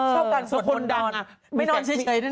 ชอบการสวดมนต์นอนไม่นอนเฉยด้วยนะ